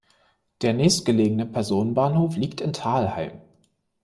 Der nächstgelegene Personenbahnhof liegt in Thalheim.